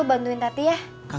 bantuin tati ya